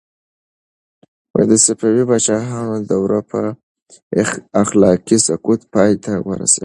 د صفوي پاچاهانو دوره په اخلاقي سقوط پای ته ورسېده.